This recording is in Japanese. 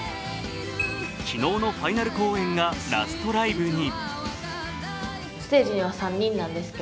昨日のファイナル公演がラストライブに。